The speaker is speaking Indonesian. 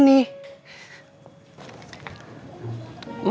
emek mau kemana